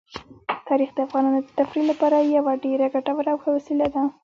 تاریخ د افغانانو د تفریح لپاره یوه ډېره ګټوره او ښه وسیله ده.